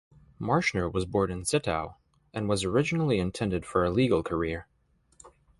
Marschner was born in Zittau and was originally intended for a legal career.